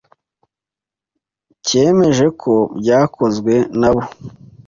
cyemeje ko byakozwe nabo